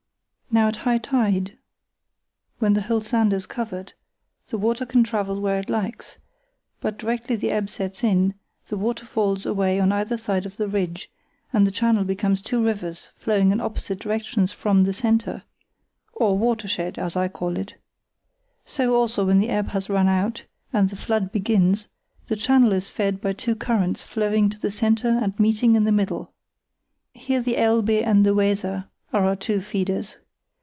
Now at high tide, when the whole sand is covered, the water can travel where it likes; but directly the ebb sets in the water falls away on either side the ridge and the channel becomes two rivers flowing in opposite directions from the centre, or watershed, as I call it. So, also, when the ebb has run out and the flood begins, the channel is fed by two currents flowing to the centre and meeting in the middle. Here the Elbe and the Weser are our two feeders.